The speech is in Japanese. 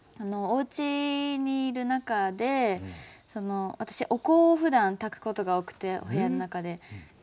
おうちにいる中で私お香をふだんたくことが多くてお部屋の中で。